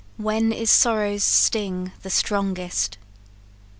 "When is Sorrow's sting the strongest?